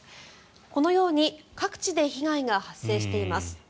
このように各地で被害が発生しています。